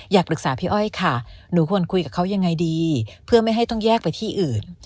อยากปรึกษาพี่อ้อยค่ะหนูควรคุยกับเขายังไงดีเพื่อไม่ให้ต้องแยกไปที่อื่น